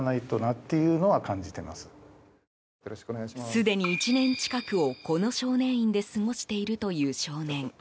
すでに１年近くをこの少年院で過ごしているという少年。